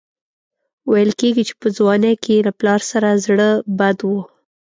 ویل کېږي چې په ځوانۍ کې یې له پلار سره زړه بد و.